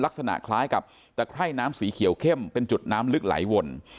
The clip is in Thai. ลักษณะคล้ายกับตะไคร่น้ำสีเขียวเข้มเป็นจุดน้ำลึกไหลวน